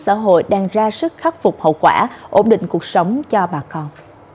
xã hội đang ra sức khắc phục hậu quả ổn định cuộc sống cho bà con